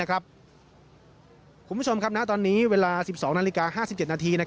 คุณผู้ชมครับณตอนนี้เวลา๑๒นาฬิกา๕๗นาที